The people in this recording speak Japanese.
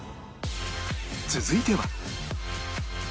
続いては